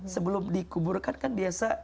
sebelum dikuburkan kan biasa